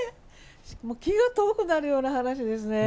気が遠くなるような話ですね。